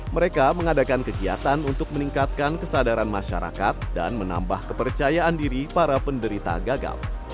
mereka mengadakan kegiatan untuk meningkatkan kesadaran masyarakat dan menambah kepercayaan diri para penderita gagal